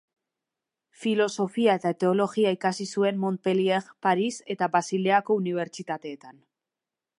Filosofia eta teologia ikasi zuen Montpellier, Paris eta Basileako unibertsitateetan.